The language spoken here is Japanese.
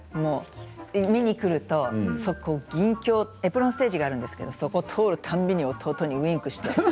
見に来るとエプロンステージがあるんですけれども、そこを通るたびに弟にウインクして。